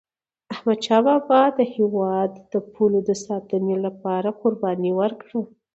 احمدشاه بابا د هیواد د پولو د ساتني لپاره قرباني ورکړه.